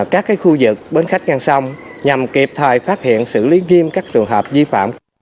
các khu vực bến khách ngang sông nhằm kịp thời phát hiện xử lý nghiêm các trường hợp di phạm